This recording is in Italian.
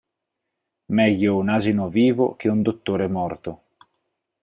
Meglio un asino vivo che un dottore morto.